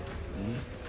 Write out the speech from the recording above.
ん？